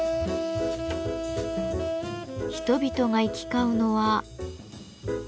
人々が行き交うのは。